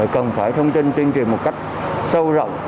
cần phải thông tin tuyên truyền một cách sâu rộng